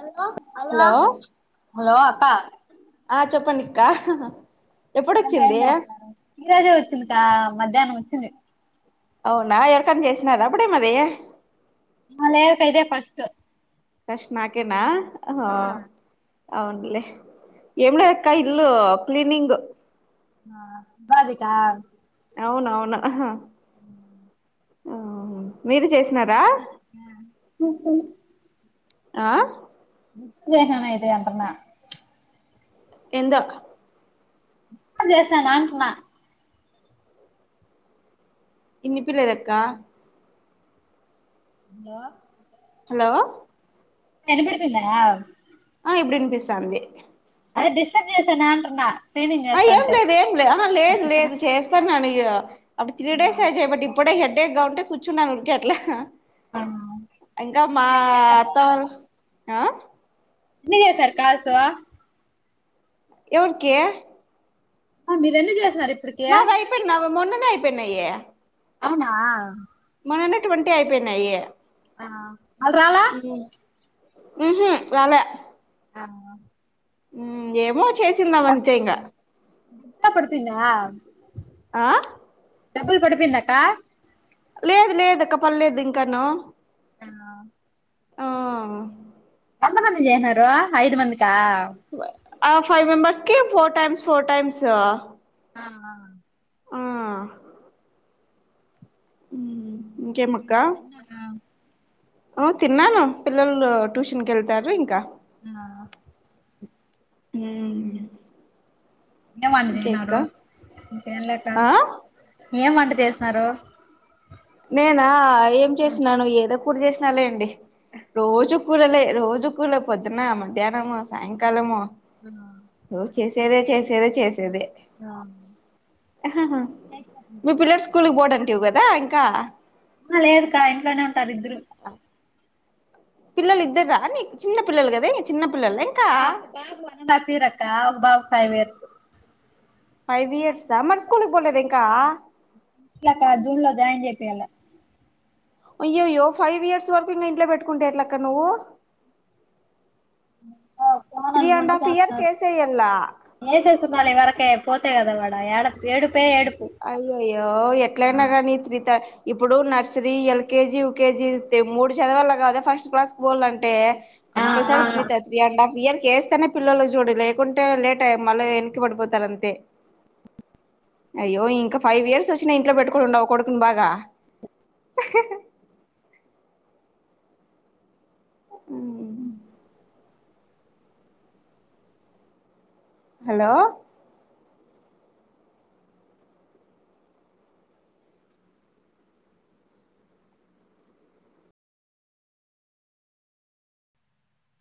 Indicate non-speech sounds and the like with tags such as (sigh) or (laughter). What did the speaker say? hello hello hello అప్పా ఆ చెప్పండిక్కా ఇంకా ఏం చేస్తున్నారు సిరీయల్ చూస్తుంటామ్ మధ్యానం వచ్చింది అవునా ఎవరికైనా చేసినార అప్పుడేమరీ లేదు అక్క ఇదే ఫస్ట్ ఫస్ట్ నాకేనా ఆ అవునులే ఆ వాాలిక అవునవును అహా ఉ ఉహు (inaudible) ఆ ఇ (inaudible) ఇది అంటున్న ఎందో (inaudible) చేసా నాంటన్నా ఇన్ని పిల్లలక్క హా హలో ఎన పడుపుల (inaudible) ఇప్పుడినిపిస్తవుంది అదే డిస్టర్బ్ చేసా నాంటున్నా ఆ ఏం లేదు ఏం లేదు లేదు లేదు చేస్తాన్నాని ఇ (inaudible) అప్పుడు త్రీడేస్ అయి చెయ్యా బట్టి ఇప్పుడే చేస్తు అంటే గంటే కూర్చున్నాను ఉడిక అట్లా ఇంకా మా అత్త వాళ్ళ ఆ ఇట్లె చేస్తార కాల్సు ఎవరికి హ మీరు ఎన్ని చేశారు ఇప్ నా భయపడినవ మొన్న అప్పుడే అయిపోనాయి అవునా మోన్నానే ట్వంటీ అయిపోయినాయి ఆ అల్ డ్రాలే ఉహు రాలే ఆ (inaudible) ఉహు ఏమో చేసిందా వంతే ఈగా డబ్బులు పడిపోయిందా ఆ డబ్బుల్ పడిపందాకా లేదు లేదు అక్క పర్లేదు ఇంకాన ఆ ఆ పంద మంది జనరు ఐదు మంది ా ఆ ఫైవ్ మెంబర్స్ కి ఫోర్ టైమ్స్ ఫోర్ టైమ్స్ ఆ ఆ ఉమ్ అన్న అఓ తిన్నాను పిల్లలు ట్యూషన్ కళ్తయారు ఇంకా ఆ ఉమ్ ఏం వంట చేసినారు ఇంకేంలేక ఆ ఏం వంట చేసినారు నేనా ఏం చేసినాను ఏదో కూ చేసిన లే అండి రోజు కూరలే రోజు కూరలే పొద్దున మధ్యాహ్నము సాయంకాలము ఉమ్ చేదే చేసేదే చేస్తే మీ పిల్లల స్కూల్కి పోడంట ఇవ కదా థంక్ కా అ లేదు కా ఇం తారు్రు పిల్లలు ఇద్దరా నీ చిన్న పిల్లలు కద చిన్న పిల్లలు ఇంకా ఆ ఒక బాబు హఫీరక్క ఒక బాబ ఫైవేర్ ఫైవ్ ఇయర్స్ అ మరి స్కూల్కి బోలేదు ఇంకా ఇట్లా కా జూన్ లో జాయిన్ చెపోయాల అయ్యో అయ్యో ఫైవ్ ఇయర్స్ వరకు ఇంగ ఇంట్లో పెట్టుకుంటే ఎట్లక్క నువ్వు త్రీ పోనుని అండ్ మొండి హాఫ్ ఇయర్ చేస్తున్నారుడు కేసేయల్లా వసేస్తున్నాలి ఇ వరకే పోతే కదా వాడాడా ఏడు అయ్యో అయ్యో ఎట్లయినా కానీ త్రిత ఇప్పుడు నర్సరీ ఎల్కేజీ యకేజీ మూడు చదవాల కాదా ఫస్ట్ క్లాస్ బల్ళ అంటే ఆ కంపల్సర ఆ ఆ త తీ అండ్ హఫ్ ఇయర్కి వేస్తేనే పిల్లలు చూడు లేకుంటే లేట్ అయ మళ్ళీ వెనక్కి పడిపోతారుంతే అయ్యో ఇంకా ఫైవ్ ఇయర్స్ వచ్చినా ఇంట్లో పెట్టుకుని ఉండవు కొడుకుని బాగా ఉమ్మ్ హలో